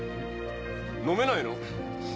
飲めないの？